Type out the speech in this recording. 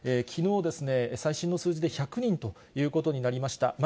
きのうですね、最新の数字で１００人ということになりました。